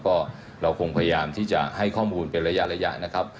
ก็เราคงพยายามที่จะให้ข้อมูลเป็นระยะนะครับ